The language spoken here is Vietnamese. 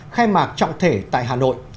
khai mạc trọng thể tại hà nội